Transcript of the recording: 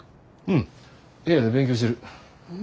うん部屋で勉強してる。